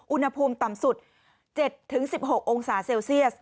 อุณหภูมิต่ำสุด๗๑๖องศาเซลเซียส